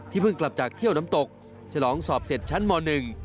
เพิ่งกลับจากเที่ยวน้ำตกฉลองสอบเสร็จชั้นมหนึ่ง